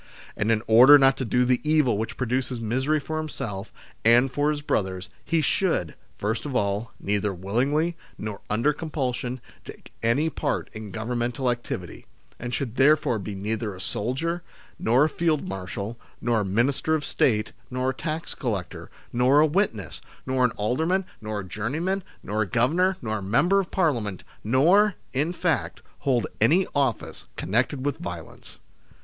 And in order not to do the evil which produces misery for himself and for his brothers, he should, first of all, neither willingly, nor under compulsion, take any part in Governmental activity, and should therefore be neither a soldier, nor a Field Marshal, nor a Minister of State, nor a tax collector, nor a witness, nor an alderman, nor a juryman, nor a governor, nor a Member of Parliament, nor, in fact, hold any office connected with violence.